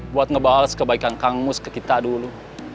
buat ngebahas kebaikan kang mus ke kita dulu